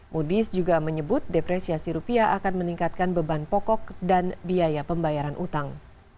mudis juga menyebut depresiasi rupiah akan meningkatkan beban pokok dan biaya pembayaran utang